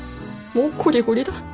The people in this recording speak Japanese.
もうこりごりだ。